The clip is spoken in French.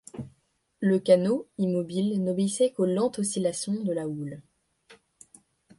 Le canot, immobile, n’obéissait qu’aux lentes oscillations de la houle.